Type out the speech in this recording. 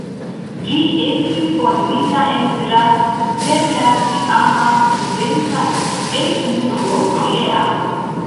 Ĝi estis fondita en Graz per la tiama studenta E-klubo tiea.